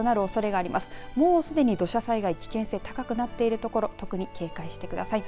もうすでに土砂災害危険性高くなっている所特に警戒してください。